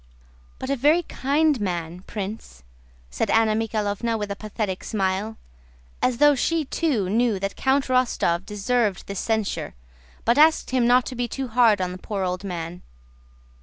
"But a very kind man, Prince," said Anna Mikháylovna with a pathetic smile, as though she too knew that Count Rostóv deserved this censure, but asked him not to be too hard on the poor old man.